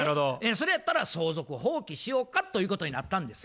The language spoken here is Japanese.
それやったら相続放棄しようかということになったんです。